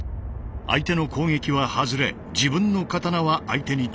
相手の攻撃は外れ自分の刀は相手に直撃する。